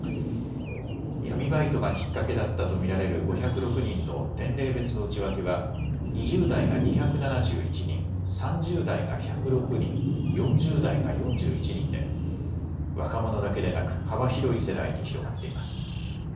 闇バイトがきっかけだったと見られる５０６人の年齢別の内訳は２０代が２７１人、３０代が１０６人、４０代が４１人で若者だけでなく幅広い世代に広がっています。